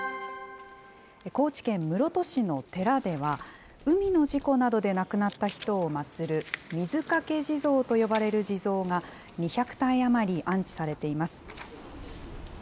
高知県室戸市の寺では、海の事故などで亡くなった人を祭る水掛地蔵と呼ばれる地蔵が、２００体余り安置されています。